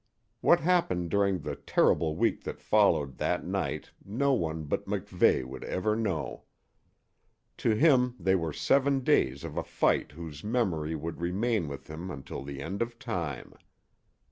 What happened during the terrible week that followed that night no one but MacVeigh would ever know. To him they were seven days of a fight whose memory would remain with him until the end of time.